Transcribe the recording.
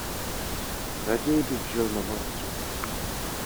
Raději bych žil na Marsu.